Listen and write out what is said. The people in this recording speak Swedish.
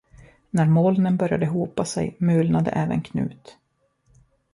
När molnen började hopa sig mulnade även Knut.